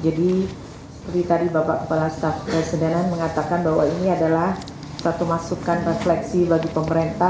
jadi seperti tadi bapak kepala staff presidenan mengatakan bahwa ini adalah satu masukan refleksi bagi pemerintah